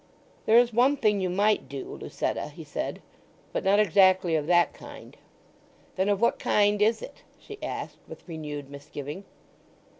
"There is one thing you might do, Lucetta," he said. "But not exactly of that kind." "Then of what kind is it?" she asked with renewed misgiving.